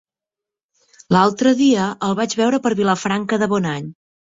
L'altre dia el vaig veure per Vilafranca de Bonany.